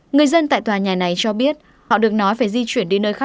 người dân tại tòa nhà này cho biết họ được nói phải di chuyển đi nơi khác